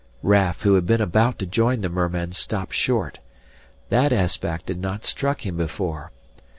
Raf who had been about to join the mermen stopped short. That aspect had not struck him before.